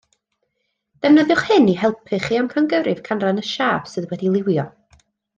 Defnyddiwch hyn i'ch helpu chi amcangyfrif canran y siâp sydd wedi'i liwio